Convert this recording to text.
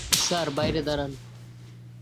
Sir, বাইরে দাড়ান।